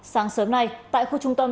sáng sớm nay tại khu trung tâm